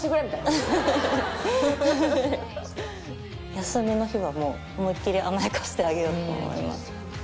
休みの日はもう思いっ切り甘やかしてあげようと思います。